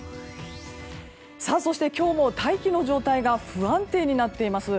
そして、今日も大気の状態が不安定になっています。